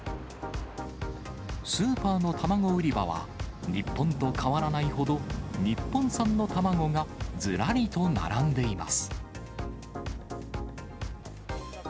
スーパーの卵売り場は、日本と変わらないほど、日本産の卵がずらりと並んでいます。